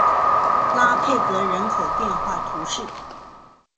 拉佩格人口变化图示